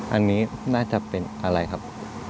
อันนี้น่าจะเป็นอะไรครับ